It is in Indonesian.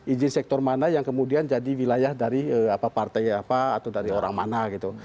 izin sektor mana yang kemudian jadi wilayah dari partai apa atau dari orang mana gitu